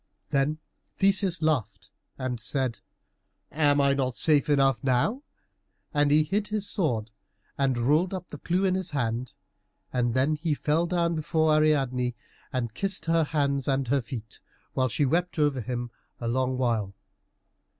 Then Theseus laughed and said, "Am I not safe enough now?" And he hid his sword, and rolled up the clue in his hand, and then he fell down before Ariadne and kissed her hands and her feet, while she wept over him a long while.